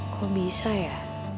kok bisa ya